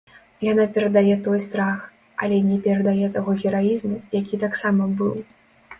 Яна перадае той страх, але не перадае таго гераізму, які таксама быў.